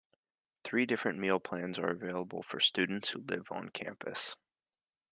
Three different meal plans are available for students who live on campus.